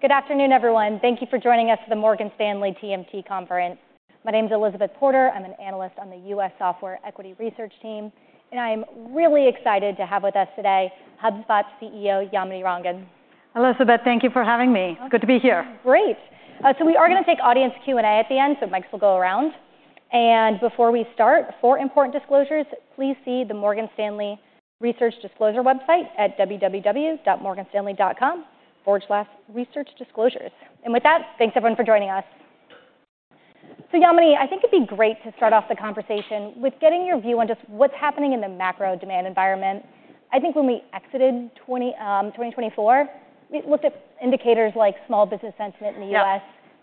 Good afternoon, everyone. Thank you for joining us for the Morgan Stanley TMT Conference. My name is Elizabeth Porter. I'm an Analyst on the U.S. Software Equity Research Team, and I am really excited to have with us today HubSpot CEO Yamini Rangan. Elizabeth, thank you for having me. It's good to be here. Great. So we are going to take audience Q&A at the end, so mics will go around. And before we start, four important disclosures. Please see the Morgan Stanley Research Disclosure website at www.morganstanley.com/researchdisclosures. And with that, thanks everyone for joining us. So Yamini, I think it'd be great to start off the conversation with getting your view on just what's happening in the macro demand environment. I think when we exited 2024, we looked at indicators like small business sentiment in the U.S.,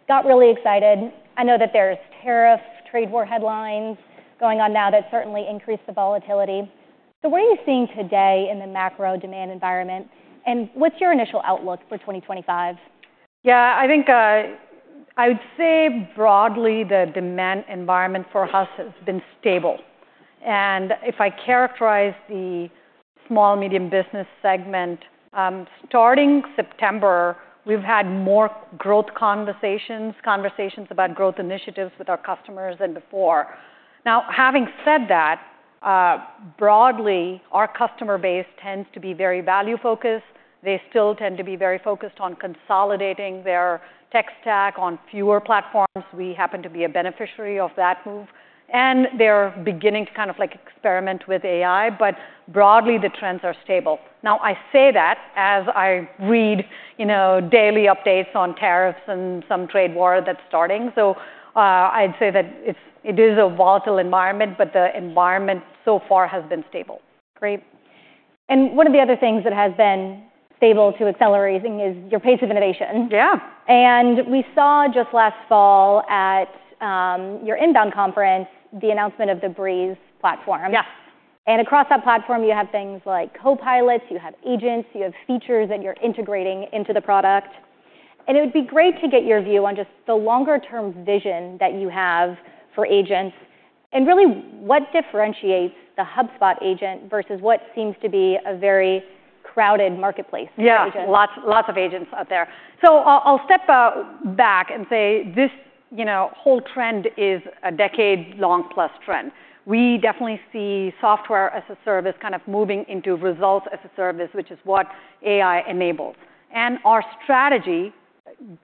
got really excited. I know that there's tariffs, trade war headlines going on now that certainly increase the volatility. So what are you seeing today in the macro demand environment, and what's your initial outlook for 2025? Yeah, I think I would say broadly the demand environment for us has been stable. And if I characterize the small, medium business segment, starting September, we've had more growth conversations, conversations about growth initiatives with our customers than before. Now, having said that, broadly, our customer base tends to be very value-focused. They still tend to be very focused on consolidating their tech stack on fewer platforms. We happen to be a beneficiary of that move, and they're beginning to kind of like experiment with AI, but broadly the trends are stable. Now, I say that as I read daily updates on tariffs and some trade war that's starting. So I'd say that it is a volatile environment, but the environment so far has been stable. Great. And one of the other things that has been stable to accelerating is your pace of innovation. Yeah. We saw just last fall at your INBOUND conference the announcement of the Breeze platform. Yes. Across that platform, you have things like copilots, you have agents, you have features that you're integrating into the product. It would be great to get your view on just the longer-term vision that you have for agents and really what differentiates the HubSpot Agent versus what seems to be a very crowded marketplace for agents. Yeah, lots of agents out there. So I'll step back and say this whole trend is a decade-long plus trend. We definitely see Software as a Service kind of moving into Results as a Service, which is what AI enables. And our strategy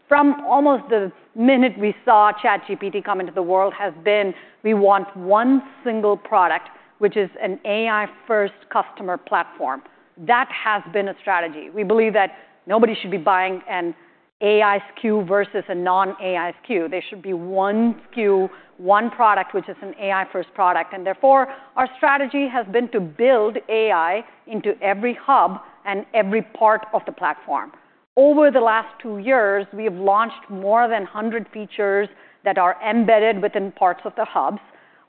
from almost the minute we saw ChatGPT come into the world has been we want one single product, which is an AI-first customer platform. That has been a strategy. We believe that nobody should be buying an AI SKU versus a non-AI SKU. There should be one SKU, one product, which is an AI-first product. And therefore, our strategy has been to build AI into every hub and every part of the platform. Over the last two years, we have launched more than 100 features that are embedded within parts of the hubs.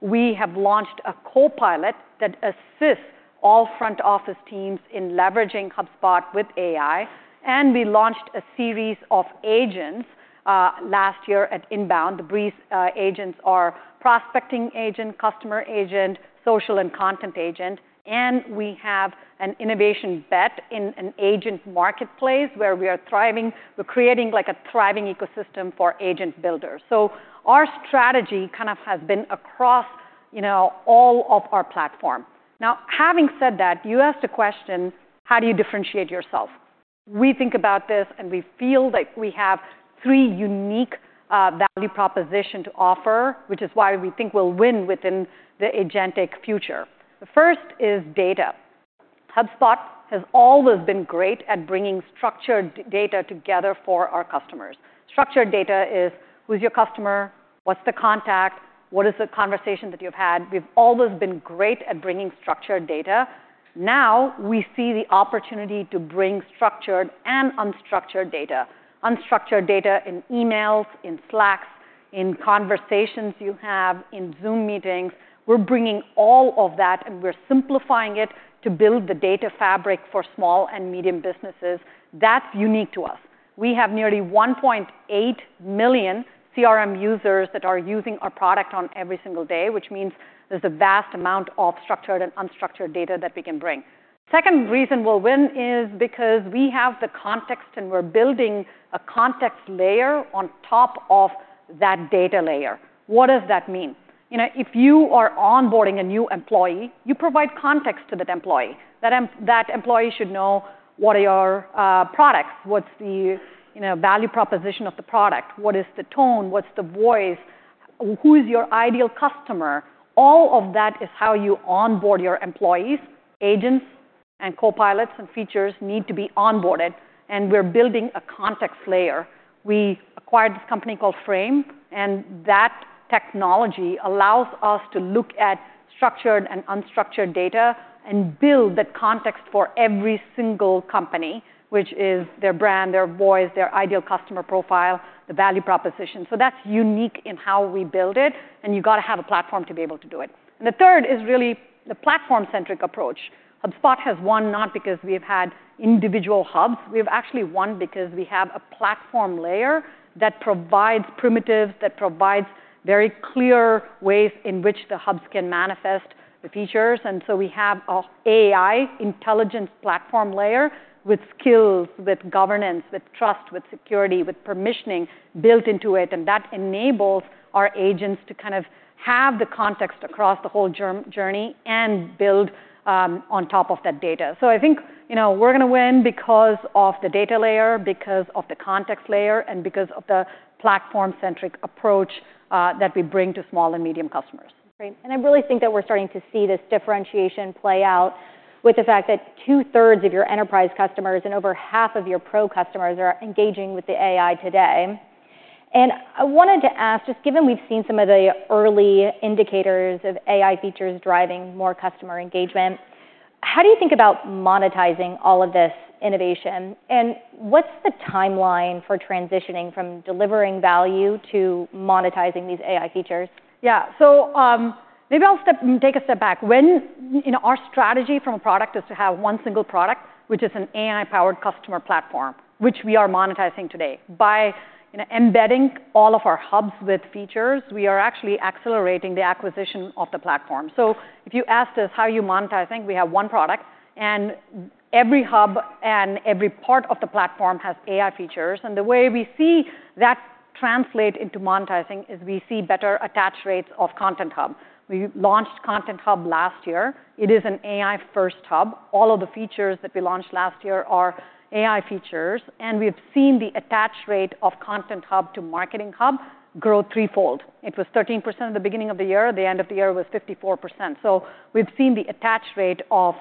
We have launched a copilot that assists all front office teams in leveraging HubSpot with AI, and we launched a series of agents last year at INBOUND. The Breeze Agents are Prospecting Agent, Customer Agent, Social and Content Agent, and we have an innovation bet in an agent marketplace where we are thriving. We're creating like a thriving ecosystem for agent builders, so our strategy kind of has been across all of our platform. Now, having said that, you asked a question, how do you differentiate yourself? We think about this and we feel that we have three unique value propositions to offer, which is why we think we'll win within the agentic future. The first is data. HubSpot has always been great at bringing structured data together for our customers. Structured data is who's your customer, what's the contact, what is the conversation that you've had. We've always been great at bringing structured data. Now we see the opportunity to bring structured and unstructured data. Unstructured data in emails, in Slack, in conversations you have, in Zoom meetings. We're bringing all of that and we're simplifying it to build the data fabric for small and medium businesses. That's unique to us. We have nearly 1.8 million CRM users that are using our product on every single day, which means there's a vast amount of structured and unstructured data that we can bring. Second reason we'll win is because we have the context and we're building a context layer on top of that data layer. What does that mean? If you are onboarding a new employee, you provide context to that employee. That employee should know what are your products, what's the value proposition of the product, what is the tone, what's the voice, who's your ideal customer. All of that is how you onboard your employees, agents, and copilots, and features need to be onboarded, and we're building a context layer. We acquired this company called Frame, and that technology allows us to look at structured and unstructured data and build that context for every single company, which is their brand, their voice, their ideal customer profile, the value proposition. So that's unique in how we build it, and you've got to have a platform to be able to do it, and the third is really the platform-centric approach. HubSpot has won not because we've had individual hubs. We've actually won because we have a platform layer that provides primitives, that provides very clear ways in which the hubs can manifest the features. And so we have an AI intelligence platform layer with skills, with governance, with trust, with security, with permissioning built into it. And that enables our agents to kind of have the context across the whole journey and build on top of that data. So I think we're going to win because of the data layer, because of the context layer, and because of the platform-centric approach that we bring to small and medium customers. Great. And I really think that we're starting to see this differentiation play out with the fact that 2/3 of your enterprise customers and over half of your pro customers are engaging with the AI today. And I wanted to ask, just given we've seen some of the early indicators of AI features driving more customer engagement, how do you think about monetizing all of this innovation? And what's the timeline for transitioning from delivering value to monetizing these AI features? Yeah, so maybe I'll take a step back. Our strategy from a product is to have one single product, which is an AI-powered customer platform, which we are monetizing today. By embedding all of our hubs with features, we are actually accelerating the acquisition of the platform, so if you asked us how you monetize, I think we have one product, and every hub and every part of the platform has AI features, and the way we see that translate into monetizing is we see better attach rates of Content Hub. We launched Content Hub last year. It is an AI-first hub. All of the features that we launched last year are AI features. And we've seen the attach rate of Content Hub to Marketing Hub grow threefold. It was 13% at the beginning of the year. At the end of the year, it was 54%. So we've seen the attach rate of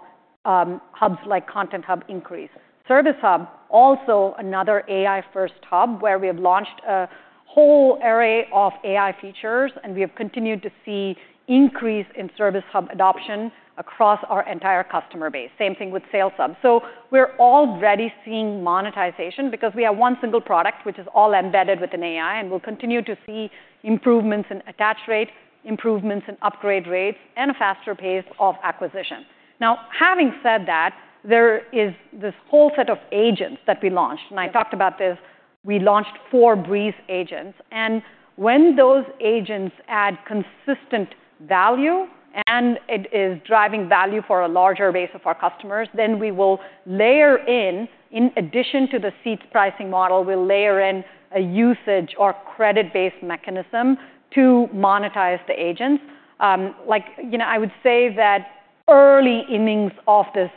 hubs like Content Hub increase. Service Hub, also another AI-first hub where we have launched a whole array of AI features, and we have continued to see an increase in Service Hub adoption across our entire customer base. Same thing with Sales Hub. So we're already seeing monetization because we have one single product, which is all embedded with an AI, and we'll continue to see improvements in attach rate, improvements in upgrade rates, and a faster pace of acquisition. Now, having said that, there is this whole set of agents that we launched. And I talked about this. We launched four Breeze Agents. And when those agents add consistent value and it is driving value for a larger base of our customers, then we will layer in, in addition to the seats pricing model, we'll layer in a usage or credit-based mechanism to monetize the agents. I would say that early innings of this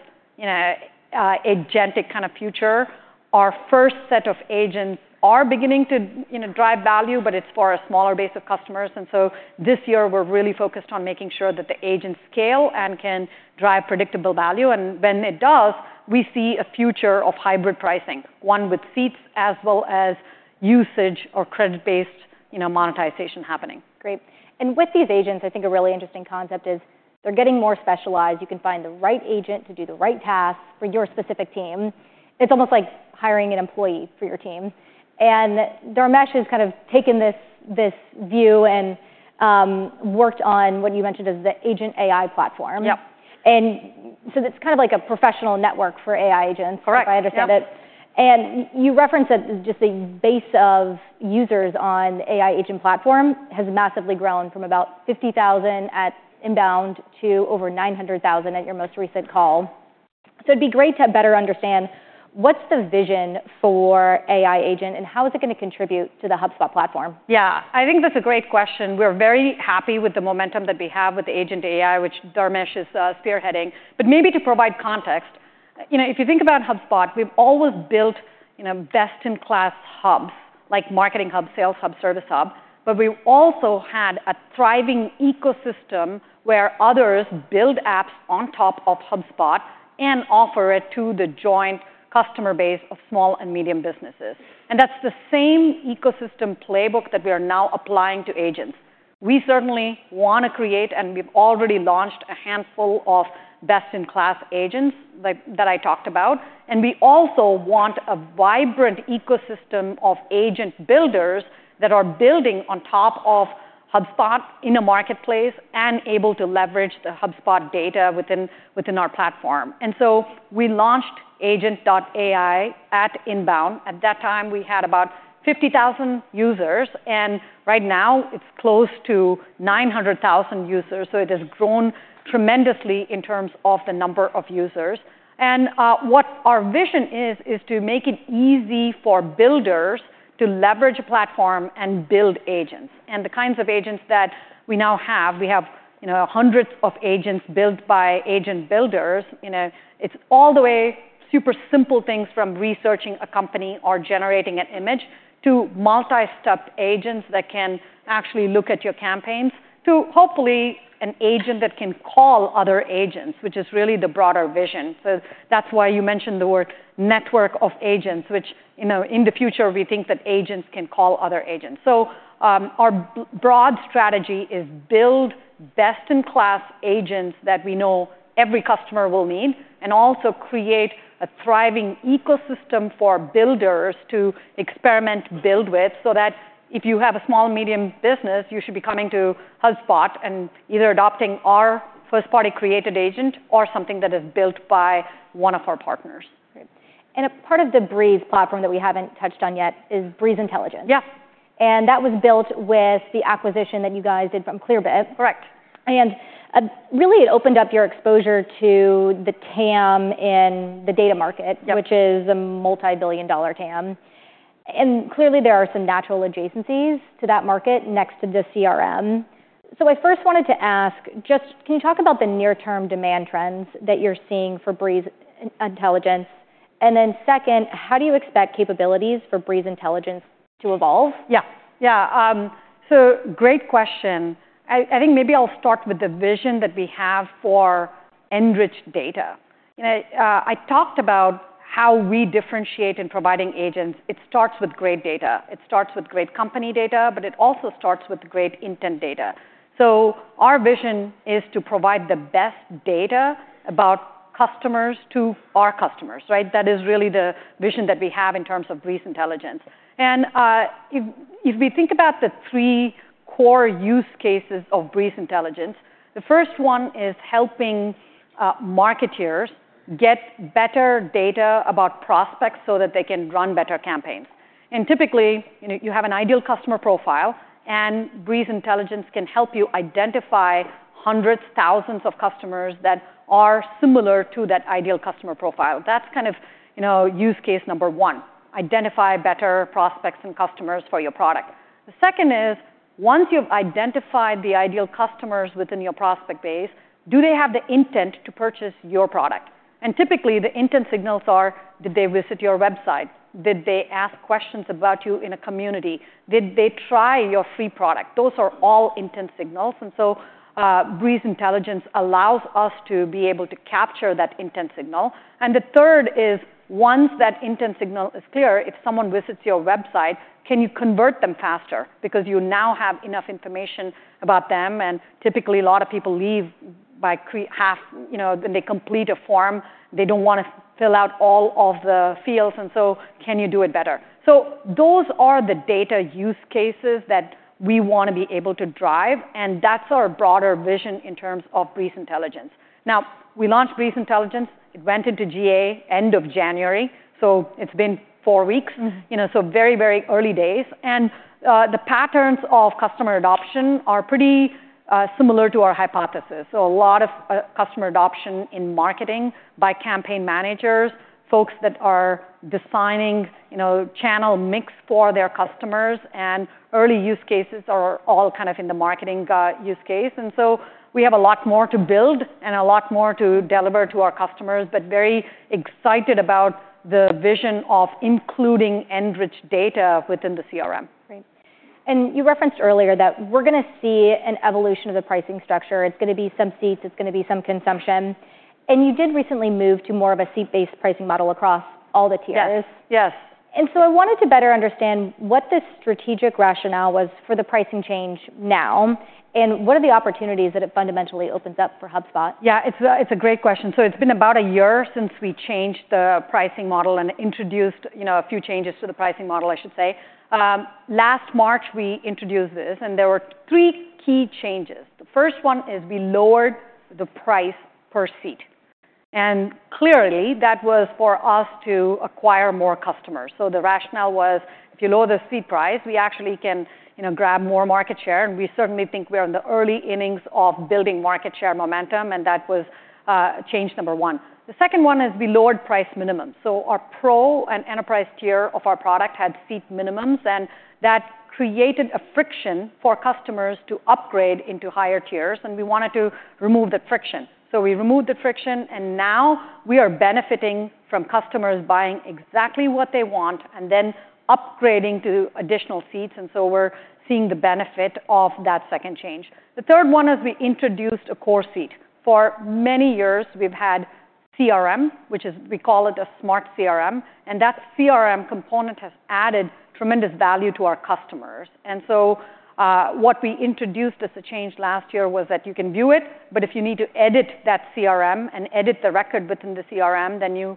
agentic kind of future, our first set of agents are beginning to drive value, but it's for a smaller base of customers. And so this year, we're really focused on making sure that the agents scale and can drive predictable value. And when it does, we see a future of hybrid pricing, one with seats as well as usage or credit-based monetization happening. Great. And with these agents, I think a really interesting concept is they're getting more specialized. You can find the right agent to do the right task for your specific team. It's almost like hiring an employee for your team. And Dharmesh has kind of taken this view and worked on what you mentioned as the Agent.ai platform. Yep. And so it's kind of like a professional network for AI agents. Correct. If I understand it, and you referenced that just the base of users on the AI Agent platform has massively grown from about 50,000 at INBOUND to over 900,000 at your most recent call, so it'd be great to better understand what's the vision for AI Agent and how is it going to contribute to the HubSpot platform? Yeah, I think that's a great question. We're very happy with the momentum that we have with the Agent.ai, which Dharmesh is spearheading. But maybe to provide context, if you think about HubSpot, we've always built best-in-class hubs like Marketing Hub, Sales Hub, Service Hub, but we also had a thriving ecosystem where others build apps on top of HubSpot and offer it to the joint customer base of small and medium businesses. And that's the same ecosystem playbook that we are now applying to agents. We certainly want to create, and we've already launched a handful of best-in-class agents that I talked about. And we also want a vibrant ecosystem of agent builders that are building on top of HubSpot in a marketplace and able to leverage the HubSpot data within our platform. And so we launched Agent.ai at INBOUND. At that time, we had about 50,000 users, and right now it's close to 900,000 users. So it has grown tremendously in terms of the number of users. And what our vision is, is to make it easy for builders to leverage a platform and build agents. And the kinds of agents that we now have, we have hundreds of agents built by agent builders. It's all the way super simple things from researching a company or generating an image to multi-stepped agents that can actually look at your campaigns to hopefully an agent that can call other agents, which is really the broader vision. So that's why you mentioned the word network of agents, which in the future we think that agents can call other agents. So, our broad strategy is build best-in-class agents that we know every customer will need and also create a thriving ecosystem for builders to experiment, build with so that if you have a small, medium business, you should be coming to HubSpot and either adopting our first-party created agent or something that is built by one of our partners. A part of the Breeze platform that we haven't touched on yet is Breeze Intelligence. Yeah. That was built with the acquisition that you guys did of Clearbit. Correct. And really, it opened up your exposure to the TAM in the data market, which is a multi-billion dollar TAM. And clearly, there are some natural adjacencies to that market next to the CRM. So I first wanted to ask, just can you talk about the near-term demand trends that you're seeing for Breeze Intelligence? And then second, how do you expect capabilities for Breeze Intelligence to evolve? Yeah, yeah. So great question. I think maybe I'll start with the vision that we have for enriched data. I talked about how we differentiate in providing agents. It starts with great data. It starts with great company data, but it also starts with great intent data. So our vision is to provide the best data about customers to our customers. That is really the vision that we have in terms of Breeze Intelligence. And if we think about the three core use cases of Breeze Intelligence, the first one is helping marketers get better data about prospects so that they can run better campaigns. And typically, you have an ideal customer profile, and Breeze Intelligence can help you identify hundreds, thousands of customers that are similar to that ideal customer profile. That's kind of use case number one: identify better prospects and customers for your product. The second is, once you've identified the ideal customers within your prospect base, do they have the intent to purchase your product? And typically, the intent signals are: did they visit your website? Did they ask questions about you in a community? Did they try your free product? Those are all intent signals. And so Breeze Intelligence allows us to be able to capture that intent signal. And the third is, once that intent signal is clear, if someone visits your website, can you convert them faster? Because you now have enough information about them. And typically, a lot of people leave by half, and they complete a form. They don't want to fill out all of the fields. And so can you do it better? So those are the data use cases that we want to be able to drive. That's our broader vision in terms of Breeze Intelligence. Now, we launched Breeze Intelligence. It went into GA end of January. It's been four weeks, so very, very early days. The patterns of customer adoption are pretty similar to our hypothesis. A lot of customer adoption in marketing by campaign managers, folks that are designing channel mix for their customers, and early use cases are all kind of in the marketing use case. We have a lot more to build and a lot more to deliver to our customers, but very excited about the vision of including enriched data within the CRM. Great. And you referenced earlier that we're going to see an evolution of the pricing structure. It's going to be some seats. It's going to be some consumption. And you did recently move to more of a seat-based pricing model across all the tiers. Yes, yes. I wanted to better understand what the strategic rationale was for the pricing change now and what are the opportunities that it fundamentally opens up for HubSpot. Yeah, it's a great question. So it's been about a year since we changed the pricing model and introduced a few changes to the pricing model, I should say. Last March, we introduced this, and there were three key changes. The first one is we lowered the price per seat. And clearly, that was for us to acquire more customers. So the rationale was, if you lower the seat price, we actually can grab more market share. And we certainly think we are in the early innings of building market share momentum. And that was change number one. The second one is we lowered price minimums. So our Pro and Enterprise tier of our product had seat minimums, and that created a friction for customers to upgrade into higher tiers. And we wanted to remove that friction. So we removed the friction, and now we are benefiting from customers buying exactly what they want and then upgrading to additional seats. And so we're seeing the benefit of that second change. The third one is we introduced a core seat. For many years, we've had CRM, which is we call it a Smart CRM. And that CRM component has added tremendous value to our customers. And so what we introduced as a change last year was that you can view it, but if you need to edit that CRM and edit the record within the CRM, then you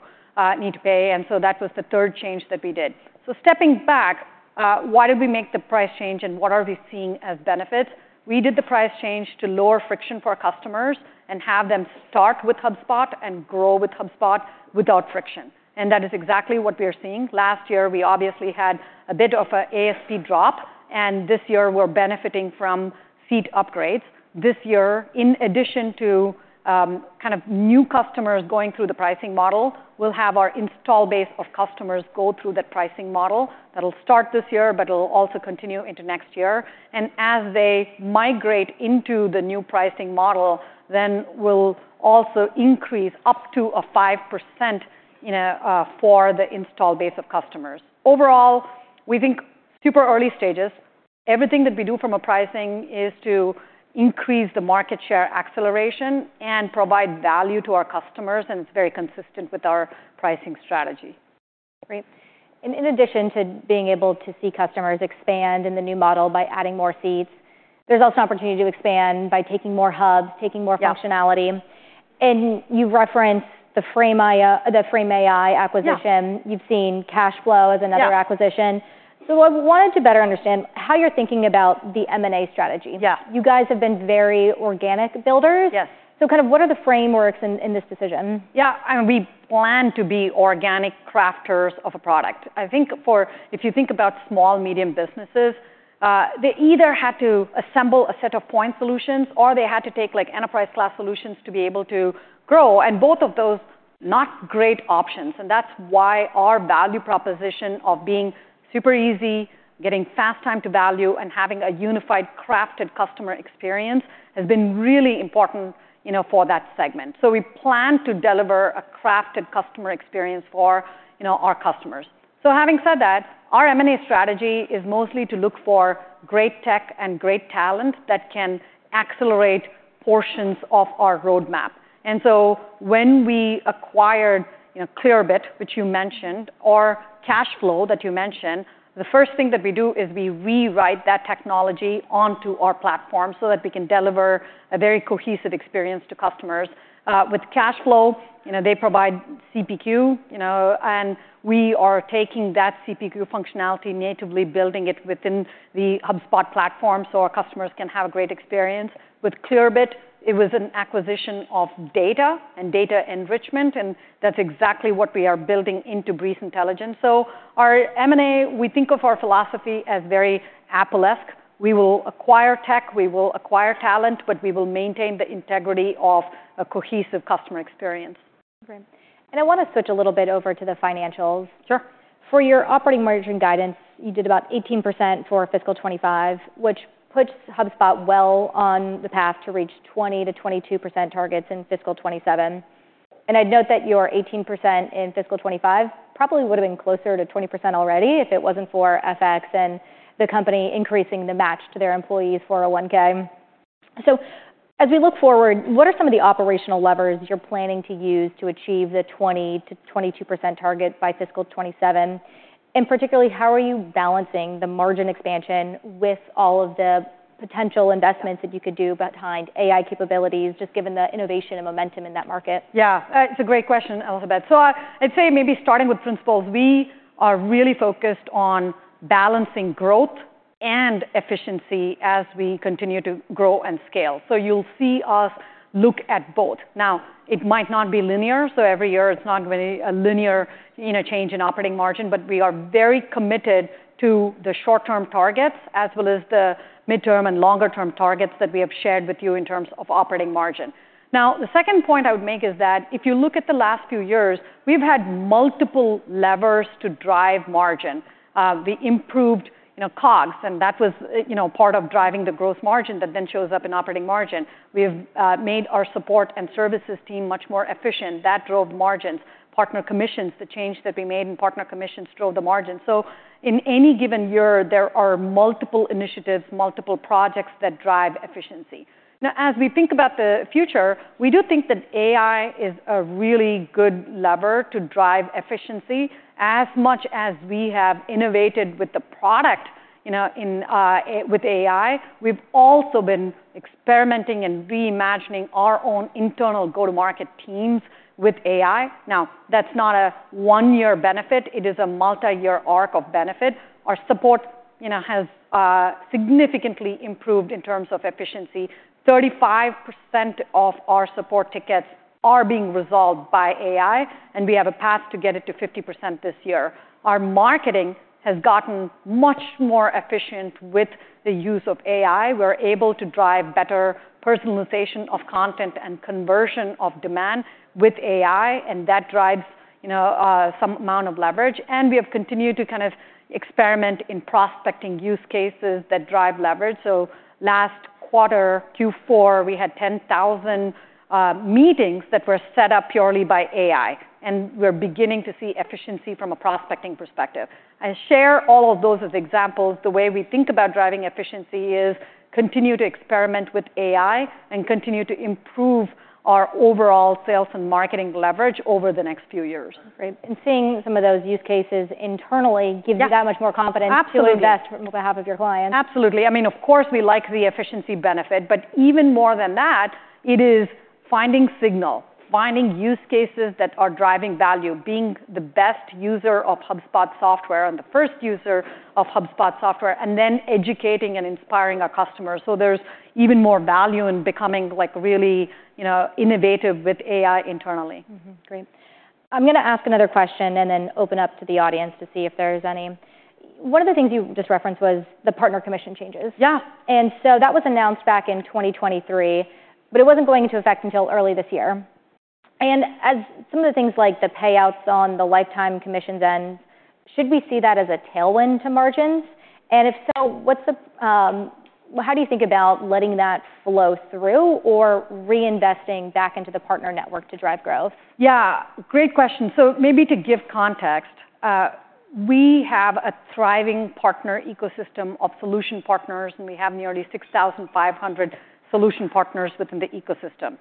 need to pay. And so that was the third change that we did. So stepping back, why did we make the price change and what are we seeing as benefits? We did the price change to lower friction for our customers and have them start with HubSpot and grow with HubSpot without friction, and that is exactly what we are seeing. Last year, we obviously had a bit of an ASP drop, and this year, we're benefiting from seat upgrades. This year, in addition to kind of new customers going through the pricing model, we'll have our installed base of customers go through that pricing model that'll start this year, but it'll also continue into next year, and as they migrate into the new pricing model, then we'll also increase up to a 5% for the installed base of customers. Overall, we think super early stages. Everything that we do from a pricing is to increase the market share acceleration and provide value to our customers, and it's very consistent with our pricing strategy. Great. And in addition to being able to see customers expand in the new model by adding more seats, there's also an opportunity to expand by taking more hubs, taking more functionality. And you referenced the Frame AI acquisition. You've seen Cacheflow as another acquisition. So I wanted to better understand how you're thinking about the M&A strategy. Yeah. You guys have been very organic builders. Yes. So kind of what are the frameworks in this decision? Yeah, we plan to be organic crafters of a product. I think if you think about small, medium businesses, they either had to assemble a set of point solutions or they had to take enterprise-class solutions to be able to grow, and both of those are not great options, and that's why our value proposition of being super easy, getting fast time to value, and having a unified crafted customer experience has been really important for that segment, so we plan to deliver a crafted customer experience for our customers, so having said that, our M&A strategy is mostly to look for great tech and great talent that can accelerate portions of our roadmap. And so when we acquired Clearbit, which you mentioned, or Cacheflow that you mentioned, the first thing that we do is we rewrite that technology onto our platform so that we can deliver a very cohesive experience to customers. With Cacheflow, they provide CPQ, and we are taking that CPQ functionality, natively building it within the HubSpot platform so our customers can have a great experience. With Clearbit, it was an acquisition of data and data enrichment. And that's exactly what we are building into Breeze Intelligence. So our M&A, we think of our philosophy as very Apple-esque. We will acquire tech. We will acquire talent, but we will maintain the integrity of a cohesive customer experience. Great. And I want to switch a little bit over to the financials. Sure. For your operating margin guidance, you did about 18% for fiscal 2025, which puts HubSpot well on the path to reach 20%-22% targets in fiscal 2027. And I'd note that your 18% in fiscal 2025 probably would have been closer to 20% already if it wasn't for FX and the company increasing the match to their employees for a 401(k). So as we look forward, what are some of the operational levers you're planning to use to achieve the 20%-22% target by fiscal 2027? And particularly, how are you balancing the margin expansion with all of the potential investments that you could do behind AI capabilities, just given the innovation and momentum in that market? Yeah, it's a great question, Elizabeth. So I'd say maybe starting with principles, we are really focused on balancing growth and efficiency as we continue to grow and scale. So you'll see us look at both. Now, it might not be linear. So every year, it's not going to be a linear change in operating margin, but we are very committed to the short-term targets as well as the midterm and longer-term targets that we have shared with you in terms of operating margin. Now, the second point I would make is that if you look at the last few years, we've had multiple levers to drive margin. We improved COGS, and that was part of driving the gross margin that then shows up in operating margin. We have made our support and services team much more efficient. That drove margins. Partner commissions, the change that we made in partner commissions drove the margin. So in any given year, there are multiple initiatives, multiple projects that drive efficiency. Now, as we think about the future, we do think that AI is a really good lever to drive efficiency. As much as we have innovated with the product with AI, we've also been experimenting and reimagining our own internal go-to-market teams with AI. Now, that's not a one-year benefit. It is a multi-year arc of benefit. Our support has significantly improved in terms of efficiency. 35% of our support tickets are being resolved by AI, and we have a path to get it to 50% this year. Our marketing has gotten much more efficient with the use of AI. We're able to drive better personalization of content and conversion of demand with AI, and that drives some amount of leverage. We have continued to kind of experiment in prospecting use cases that drive leverage. Last quarter, Q4, we had 10,000 meetings that were set up purely by AI. We're beginning to see efficiency from a prospecting perspective. I share all of those as examples. The way we think about driving efficiency is continue to experiment with AI and continue to improve our overall sales and marketing leverage over the next few years. Great, and seeing some of those use cases internally gives you that much more confidence to invest on behalf of your clients. Absolutely. I mean, of course, we like the efficiency benefit. But even more than that, it is finding signal, finding use cases that are driving value, being the best user of HubSpot software and the first user of HubSpot software, and then educating and inspiring our customers. So there's even more value in becoming really innovative with AI internally. Great. I'm going to ask another question and then open up to the audience to see if there's any. One of the things you just referenced was the partner commission changes. Yeah. And so that was announced back in 2023, but it wasn't going into effect until early this year. And as some of the things like the payouts on the lifetime commissions end, should we see that as a tailwind to margins? And if so, how do you think about letting that flow through or reinvesting back into the partner network to drive growth? Yeah, great question. So maybe to give context, we have a thriving partner ecosystem of Solutions Partners, and we have nearly 6,500 Solutions Partners within the ecosystem.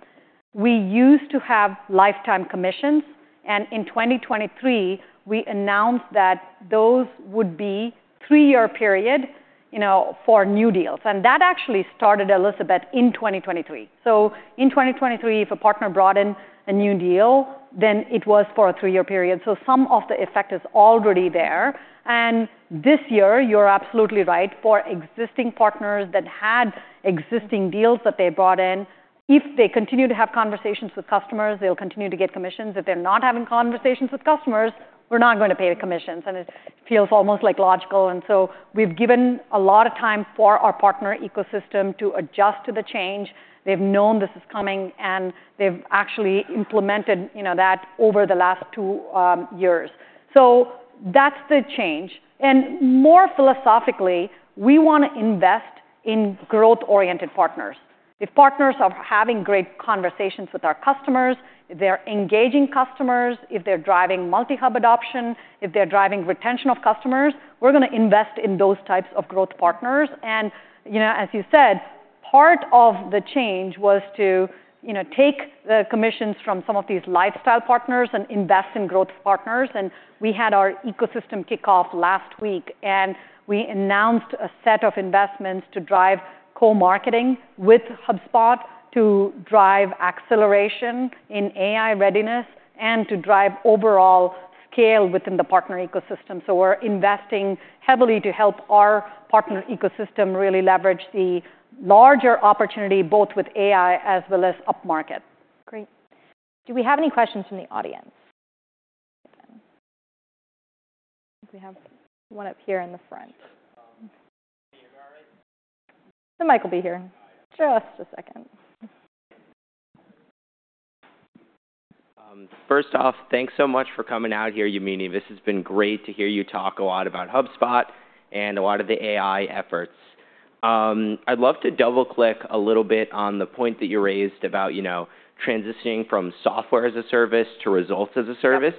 We used to have lifetime commissions, and in 2023, we announced that those would be a three-year period for new deals, and that actually started, Elizabeth, in 2023, so in 2023, if a partner brought in a new deal, then it was for a three-year period, so some of the effect is already there, and this year, you're absolutely right. For existing partners that had existing deals that they brought in, if they continue to have conversations with customers, they'll continue to get commissions. If they're not having conversations with customers, we're not going to pay the commissions, and it feels almost like logical, and so we've given a lot of time for our partner ecosystem to adjust to the change. They've known this is coming, and they've actually implemented that over the last two years, so that's the change and more philosophically, we want to invest in growth-oriented partners. If partners are having great conversations with our customers, if they're engaging customers, if they're driving multi-hub adoption, if they're driving retention of customers, we're going to invest in those types of growth partners, and as you said, part of the change was to take the commissions from some of these lifestyle partners and invest in growth partners, and we had our ecosystem kickoff last week, and we announced a set of investments to drive co-marketing with HubSpot to drive acceleration in AI readiness and to drive overall scale within the partner ecosystem, so we're investing heavily to help our partner ecosystem really leverage the larger opportunity both with AI as well as up-market. Great. Do we have any questions from the audience? We have one up here in the front. The mic will be here in just a second. First off, thanks so much for coming out here, Yamini. This has been great to hear you talk a lot about HubSpot and a lot of the AI efforts. I'd love to double-click a little bit on the point that you raised about transitioning from Software as a Service to Results as a Service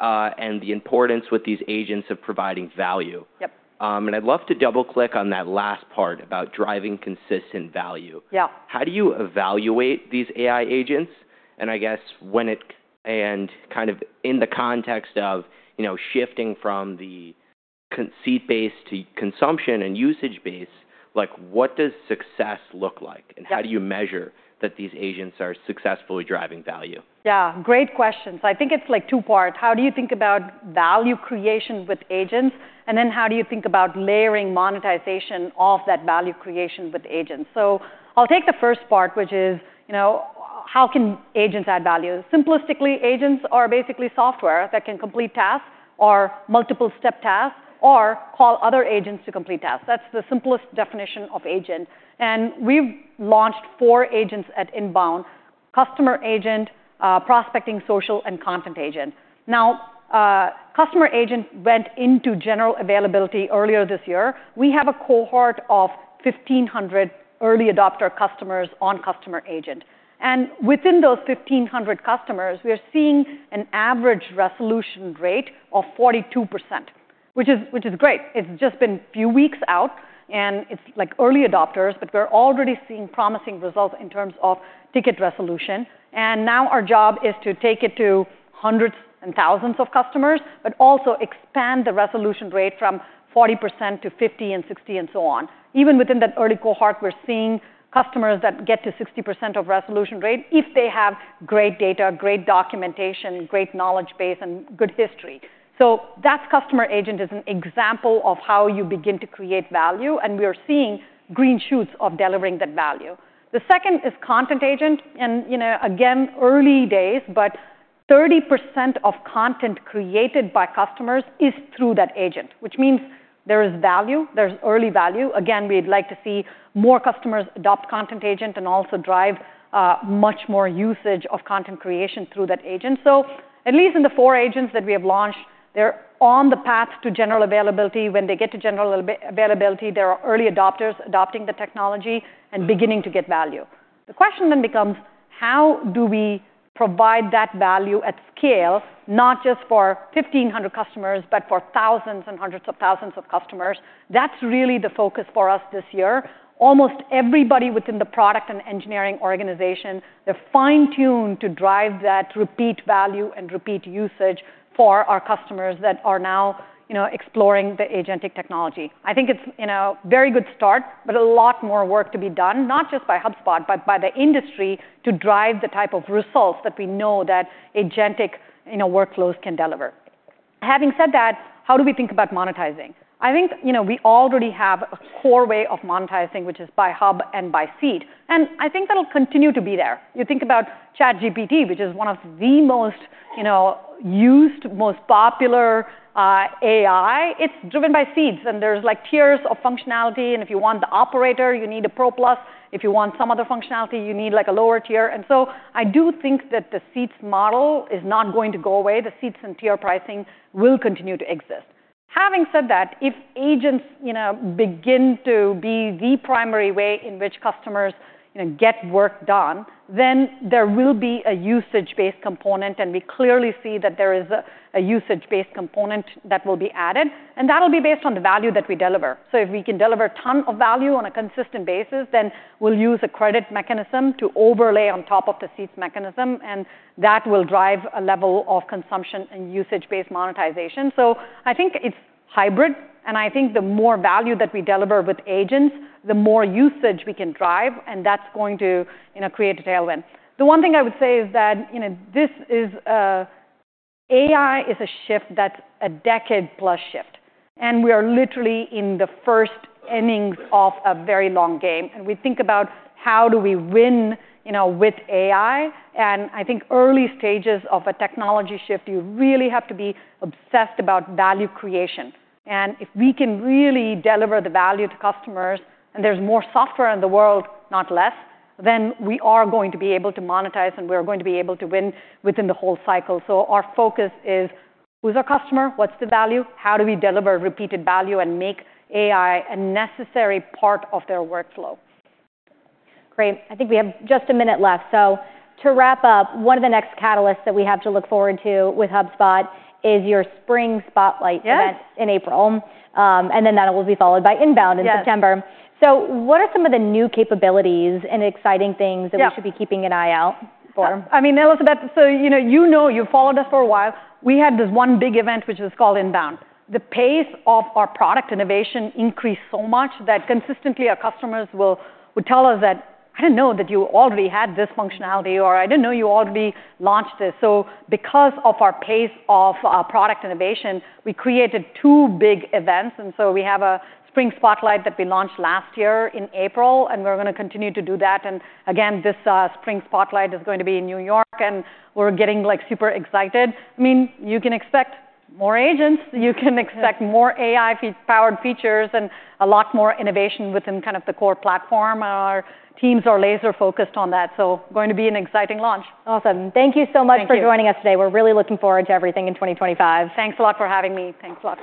and the importance with these agents of providing value. I'd love to double-click on that last part about driving consistent value. How do you evaluate these AI agents? And I guess when it and kind of in the context of shifting from the seat base to consumption and usage base, what does success look like? And how do you measure that these agents are successfully driving value? Yeah, great question. So I think it's like two-part. How do you think about value creation with agents? And then how do you think about layering monetization of that value creation with agents? So I'll take the first part, which is how can agents add value? Simplistically, agents are basically software that can complete tasks or multiple-step tasks or call other agents to complete tasks. That's the simplest definition of agent. And we've launched four agents at INBOUND: Customer Agent, Prospecting Agent, Social Agent, and Content Agent. Now, Customer Agent went into general availability earlier this year. We have a cohort of 1,500 early adopter customers on Customer Agent. And within those 1,500 customers, we are seeing an average resolution rate of 42%, which is great. It's just been a few weeks out, and it's like early adopters, but we're already seeing promising results in terms of ticket resolution. And now our job is to take it to hundreds and thousands of customers, but also expand the resolution rate from 40%-50% and 60% and so on. Even within that early cohort, we're seeing customers that get to 60% of resolution rate if they have great data, great documentation, great knowledge base, and good history. So that's Customer Agent as an example of how you begin to create value. And we are seeing green shoots of delivering that value. The second is Content Agent. And again, early days, but 30% of content created by customers is through that agent, which means there is value. There's early value. Again, we'd like to see more customers adopt Content Agent and also drive much more usage of content creation through that agent. So at least in the four agents that we have launched, they're on the path to general availability. When they get to general availability, there are early adopters adopting the technology and beginning to get value. The question then becomes, how do we provide that value at scale, not just for 1,500 customers, but for thousands and hundreds of thousands of customers? That's really the focus for us this year. Almost everybody within the product and engineering organization, they're fine-tuned to drive that repeat value and repeat usage for our customers that are now exploring the agentic technology. I think it's a very good start, but a lot more work to be done, not just by HubSpot, but by the industry to drive the type of results that we know that agentic workflows can deliver. Having said that, how do we think about monetizing? I think we already have a core way of monetizing, which is by hub and by seat. I think that'll continue to be there. You think about ChatGPT, which is one of the most used, most popular AI. It's driven by seats. There's like tiers of functionality. If you want the Operator, you need a Pro Plus. If you want some other functionality, you need like a lower tier. I do think that the seats model is not going to go away. The seats and tier pricing will continue to exist. Having said that, if agents begin to be the primary way in which customers get work done, then there will be a usage-based component. We clearly see that there is a usage-based component that will be added. That'll be based on the value that we deliver. So if we can deliver a ton of value on a consistent basis, then we'll use a credit mechanism to overlay on top of the seats mechanism. And that will drive a level of consumption and usage-based monetization. So I think it's hybrid. And I think the more value that we deliver with agents, the more usage we can drive. And that's going to create a tailwind. The one thing I would say is that this AI is a shift that's a decade-plus shift. And we are literally in the first innings of a very long game. And we think about how do we win with AI. And I think early stages of a technology shift, you really have to be obsessed about value creation. And if we can really deliver the value to customers, and there's more software in the world, not less, then we are going to be able to monetize, and we're going to be able to win within the whole cycle. So our focus is, who's our customer? What's the value? How do we deliver repeated value and make AI a necessary part of their workflow? Great. I think we have just a minute left. So to wrap up, one of the next catalysts that we have to look forward to with HubSpot is your Spring Spotlight event in April. And then that will be followed by INBOUND in September. So what are some of the new capabilities and exciting things that we should be keeping an eye out for? I mean, Elizabeth, so you know you've followed us for a while. We had this one big event, which was called INBOUND. The pace of our product innovation increased so much that consistently our customers will tell us that, "I didn't know that you already had this functionality," or, "I didn't know you already launched this." So because of our pace of product innovation, we created two big events. And so we have a Spring Spotlight that we launched last year in April. And we're going to continue to do that. And again, this Spring Spotlight is going to be in New York. And we're getting super excited. I mean, you can expect more agents. You can expect more AI-powered features and a lot more innovation within kind of the core platform. Our teams are laser-focused on that. So going to be an exciting launch. Awesome. Thank you so much for joining us today. We're really looking forward to everything in 2025. Thanks a lot for having me. Thanks a lot.